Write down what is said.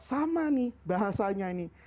sama nih bahasanya ini